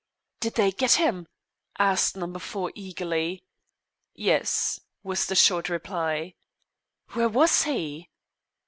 "Did they get him?" asked Number Four eagerly. "Yes," was the short reply. "Where was he?"